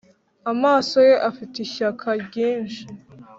amaso ye afite ishyaka ryinshi;